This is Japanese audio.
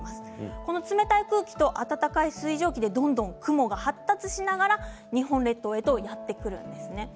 この冷たい空気と暖かい水蒸気でどんどん雲が発達しながら日本列島へとやってくるんです。